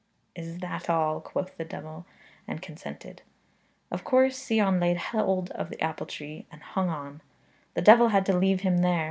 'Is that all?' quoth the diawl, and consented. Of course Sion laid hold of the apple tree, and hung on. The devil had to leave him there.